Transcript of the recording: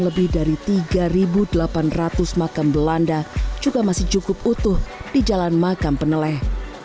lebih dari tiga delapan ratus makam belanda juga masih cukup utuh di jalan makam peneleh